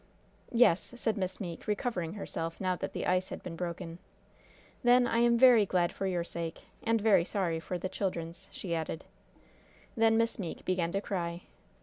"Yes," said Miss Meeke, recovering herself, now that the ice had been broken. "Then I am very glad, for your sake. And very sorry for the children's," she added. Then Miss Meeke began to cry.